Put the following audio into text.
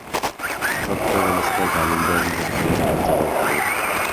Көптөгөн иштер далилдердин жоктугунан улам жабылып калууда.